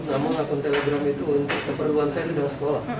namun akun telegram itu untuk keperluan saya sudah sekolah